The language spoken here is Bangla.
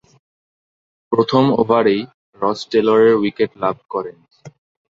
প্রথম ওভারেই রস টেলরের উইকেট লাভ করেন।